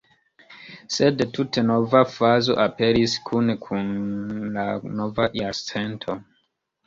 Sed tute nova fazo aperis kune kun la nova jarcento.